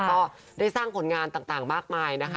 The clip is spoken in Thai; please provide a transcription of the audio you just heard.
ก็ได้สร้างผลงานต่างมากมายนะคะ